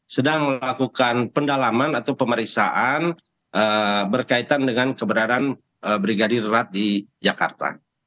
sedang melakukan pendalaman atau pemeriksaan berkaitan dengan keberadaan brigadir rat di jakarta